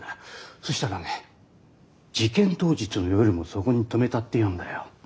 そしたらね事件当日の夜もそこに止めたって言うんだよ。